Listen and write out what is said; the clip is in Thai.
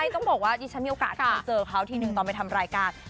ต้องบอกว่าดิฉันมีโอกาสเคยเจอเขาทีนึงตอนไปทำรายการ